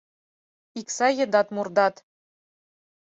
Икса едат мурдат